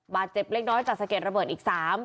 บาดเจ็บเล็กน้อยจากสะเก็ดระเบิดอีก๓